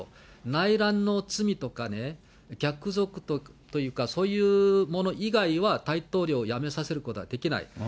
内乱の罪とかね、逆賊というか、そういうもの以外は大統領を辞めさせることはできない。